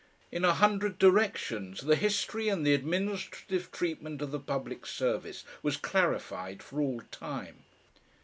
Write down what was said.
In a hundred directions the history and the administrative treatment of the public service was clarified for all time....